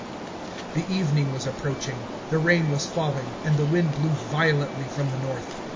The evening was approaching, the rain was falling, and the wind blew violently from the north.